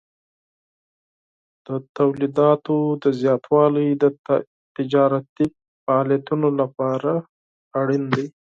د تولیداتو زیاتوالی د تجارتي فعالیتونو لپاره مهم دی.